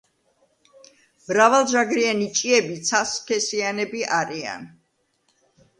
მრავალჯაგრიანი ჭიები ცალსქესიანები არიან.